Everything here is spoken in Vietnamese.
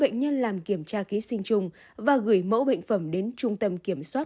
bệnh nhân làm kiểm tra ký sinh trùng và gửi mẫu bệnh phẩm đến trung tâm kiểm soát